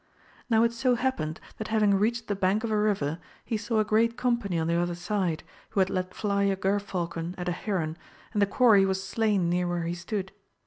Now it so happened that having reached the hank of a river he saw a great company on the other side, who had let fly a ger falcon at a heron, and the quarry was slain near where he stood.